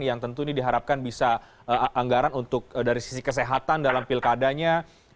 yang tentu ini diharapkan bisa anggaran untuk dari sisi kesehatan dalam pilkadanya